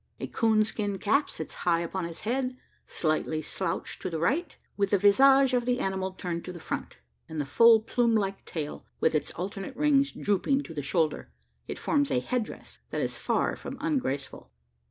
A coon skin cap sits high upon his head slightly slouched to the right. With the visage of the animal turned to the front, and the full plume like tail, with its alternate rings, drooping to the shoulder, it forms a head dress that is far from ungraceful.